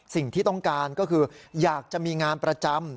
สิ่งที่ต้องการก็คืออยากจะมีงานประจำ